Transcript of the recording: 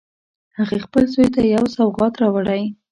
هغې خپل زوی ته یو سوغات راوړی